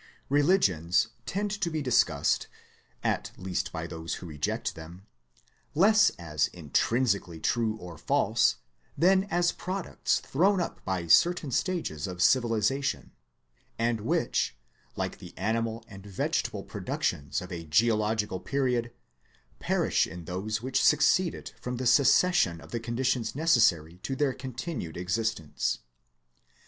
Keligions tend to be discussed, at least by those who reject them, less as intrinsically true or false than as products thrown up by certain states of civilization, and which, like the animal and vegetable productions of a geological period perish in those which succeed it from the cessation of the conditions necessary to their con tinued existence.